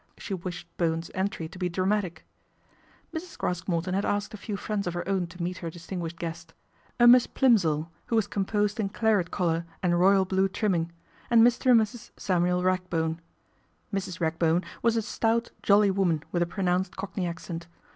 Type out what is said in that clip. She wished Bowen's entry to be dramatic. Mrs. Craske Morton had asked a few friends of her own to meet her distinguished guest ; a Miss Plimsoll, who was composed in claret colour and royal blue trimming, and Mr. and Mrs. Samuel Ragbone. Mrs. Ragbone was a stout, jolly woman with a pronounced cockney accent.